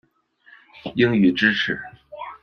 应予支持。